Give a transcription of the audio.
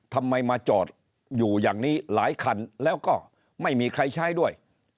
ทำไมมาจอดอยู่อย่างนี้หลายคันแล้วก็ไม่มีใครใช้ด้วย